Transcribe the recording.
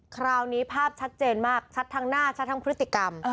คราวนี้ภาพชัดเจนมากชัดทั้งหน้าชัดทั้งพฤติกรรม